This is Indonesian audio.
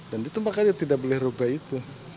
dan itu makanya tidak boleh berubah itu